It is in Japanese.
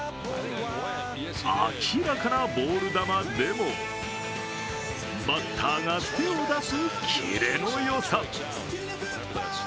明らかなボール球でもバッターが手を出すキレのよさ。